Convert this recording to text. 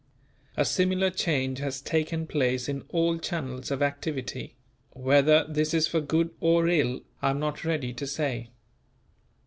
A similar change has taken place in all channels of activity; whether this is for good or ill, I am not ready to say.